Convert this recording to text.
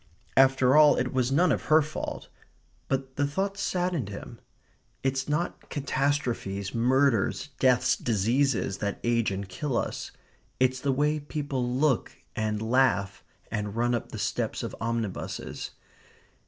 After all, it was none of her fault. But the thought saddened him. It's not catastrophes, murders, deaths, diseases, that age and kill us; it's the way people look and laugh, and run up the steps of omnibuses.